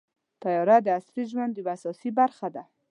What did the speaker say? طیاره د عصري ژوند یوه اساسي برخه ده.